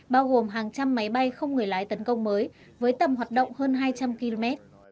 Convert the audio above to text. bao gồm hàng trăm máy bay không người lái tấn công mới với tầm hoạt động hơn hai trăm linh km